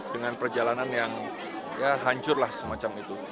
dengan perjalanan yang hancur lah semacam itu